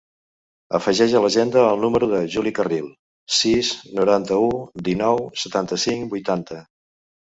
Afegeix a l'agenda el número del Juli Carril: sis, noranta-u, dinou, setanta-cinc, vuitanta.